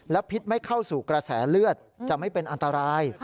พิษไม่เข้าสู่กระแสเลือดจะไม่เป็นอันตราย